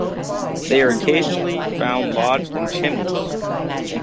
They are occasionally found lodged in chimneys.